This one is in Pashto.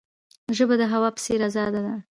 ژبه د هوا په څیر آزاده ده.